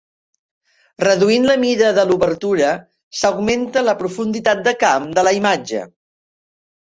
Reduint la mida de l'obertura s'augmenta la profunditat de camp de la imatge.